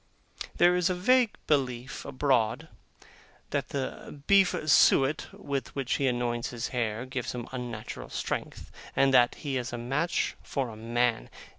There is a vague belief abroad, that the beef suet with which he anoints his hair gives him unnatural strength, and that he is a match for a man.